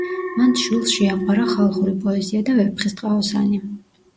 მან შვილს შეაყვარა ხალხური პოეზია და „ვეფხისტყაოსანი“.